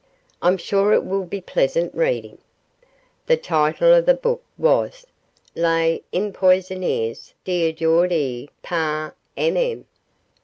I'm sure it will be pleasant reading.' The title of the book was 'Les Empoisonneurs d'Aujourd'hui, par MM.